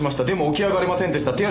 でも起き上がれませんでした。